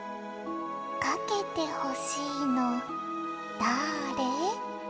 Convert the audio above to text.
「かけてほしいのだあれ」